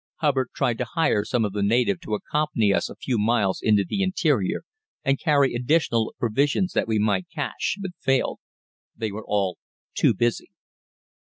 Hubbard tried to hire some of the native to accompany us a few miles into the interior and carry additional provisions that we might cache, but failed; they were all "too busy."